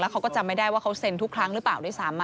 แล้วเขาก็จำไม่ได้ว่าเขาเซ็นทุกครั้งหรือเปล่าได้สาม